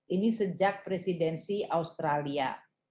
ini sejak presidensi australia